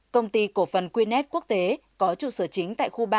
công ty cổ phần qnet quốc tế có trụ sở chính tại khu ba